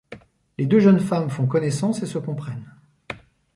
Les deux jeunes femmes font connaissance et se comprennent.